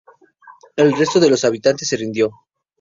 El resto de los habitantes se rindió.